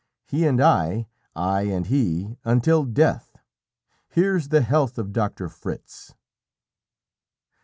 He and I I and he until death! Here's the health of Doctor Fritz!"